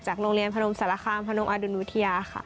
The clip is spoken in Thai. โรงเรียนพนมสารคามพนมอดุลวิทยาค่ะ